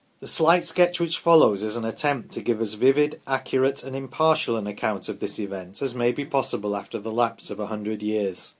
The slight sketch which follows is an attempt to give as vivid, accurate, and impartial an account of this event as may be possible after the lapse of a hundred years.